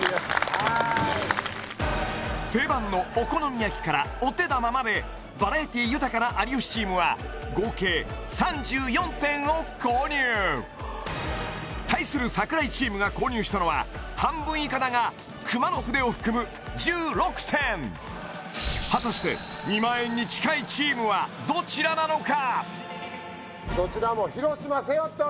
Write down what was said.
はい定番のお好み焼きからお手玉までバラエティ豊かな有吉チームは合計３４点を購入対する櫻井チームが購入したのは半分以下だが熊野筆を含む１６点果たして２００００円に近いチームはどちらなのか？